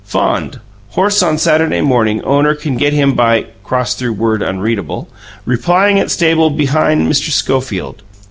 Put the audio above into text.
FOND Horse on Saturday morning owner can get him by (crossed through word, unreadable) replying at stable bhind Mr. Schofield.